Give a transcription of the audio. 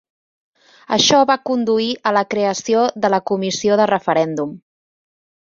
Això va conduir a la creació de la Comissió de Referèndum.